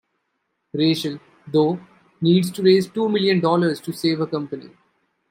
Rachel, though, needs to raise two million dollars to save her company.